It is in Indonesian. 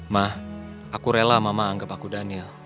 mah aku rela mama anggap aku daniel